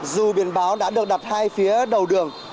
dù biển báo đã được đặt hai phía đầu đường